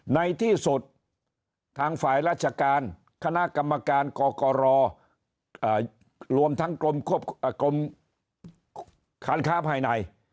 ในที่สุดทางฝ่ายราชการคณะกรรมการกกรรวมทั้งกรมการค้าภายใน